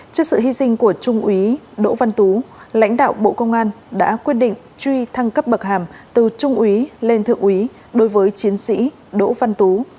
trước sự hy sinh của trung úy đỗ văn tú lãnh đạo bộ công an đã quyết định truy thăng cấp bậc hàm từ trung úy lên thượng úy đối với chiến sĩ đỗ văn tú